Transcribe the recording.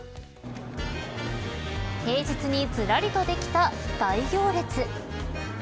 平日に、ずらりとできた大行列。